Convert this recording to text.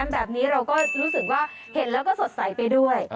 แบบนี้เราก็รู้สึกว่าเห็นแล้วก็สดใสไปด้วย